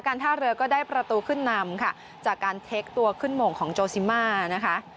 ท่าเรือก็ได้ประตูขึ้นนำค่ะจากการเทคตัวขึ้นโมงของโจซิมานะคะ